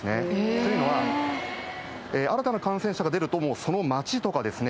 というのは新たな感染者が出るともうその街とかですね